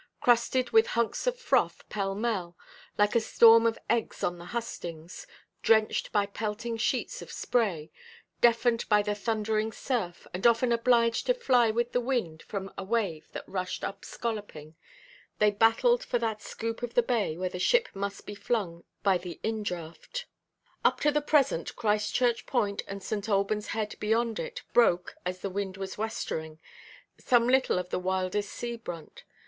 Crusted with hunks of froth pell–mell, like a storm of eggs on the hustings, drenched by pelting sheets of spray, deafened by the thundering surf, and often obliged to fly with the wind from a wave that rushed up scolloping, they battled for that scoop of the bay where the ship must be flung by the indraught. Up to the present, Christchurch Point, and St. Albanʼs Head beyond it, broke (as the wind was westering) some little of the wildest sea–brunt.